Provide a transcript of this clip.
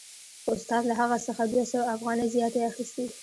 خو استاد له هغه څخه دوه سوه افغانۍ زیاتې اخیستې